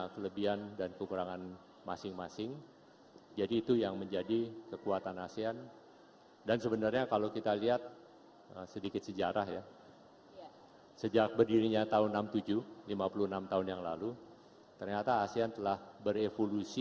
pertama sedikit latar belakang